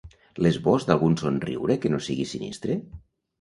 L’esbós d’algun somriure que no sigui sinistre?